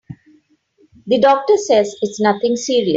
The doctor says it's nothing serious.